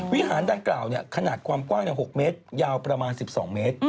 วิหารดังกล่าวขนาดความกว้าง๖เมตรยาวประมาณ๑๒เมตร